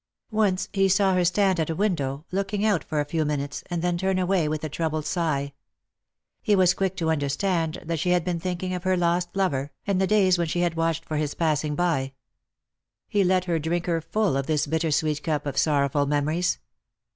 Once he saw her stand at a window, looking out for a few minutes, and then turn away with a troubled sigh. He was quick to understand that she had been thinking of her lost lover, and the days when she had watched for his passing by. He let her drink her full of this bitter sweet cup of sorrowful memories.